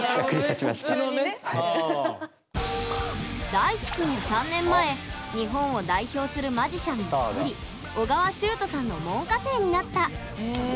大智くんは３年前日本を代表するマジシャンの一人緒川集人さんの門下生になった。